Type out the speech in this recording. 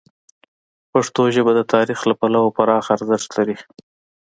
پښتو ژبه د تاریخ له پلوه پراخه ارزښت لري.